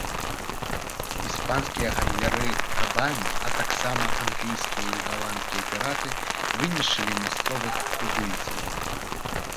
Іспанскія гандляры рабамі, а таксама англійскія і галандскія піраты вынішчылі мясцовых тубыльцаў.